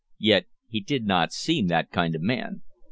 Yet he did not seem that kind of man.